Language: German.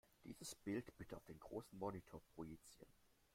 Dieses Bild bitte auf den großen Monitor projizieren.